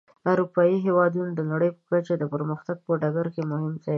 اروپایي هېوادونه د نړۍ په کچه د پرمختګ په ډګر کې مهم ځای لري.